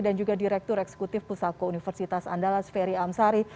dan juga direktur eksekutif pusako universitas andalas ferry amsari